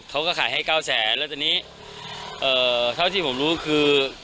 เขาก็ขายให้เก้าแสนแล้วทีนี้เท่าที่ผมรู้คือ